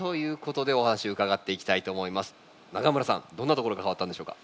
永村さんどんなところ変わったんでしょうか？